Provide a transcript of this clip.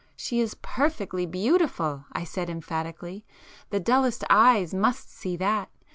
"She is perfectly beautiful,"—I said emphatically. "The dullest eyes must see that.